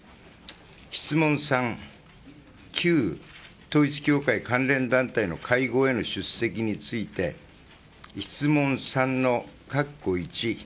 質問３、旧統一教会関連団体への会合の出席について質問３のカッコ